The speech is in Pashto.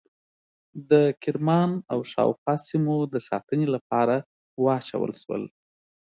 د کرمان او شاوخوا سیمو د ساتنې لپاره واچول شول.